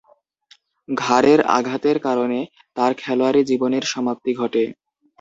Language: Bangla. ঘাড়ের আঘাতের কারণে তার খেলোয়াড়ী জীবনের সমাপ্তি ঘটে।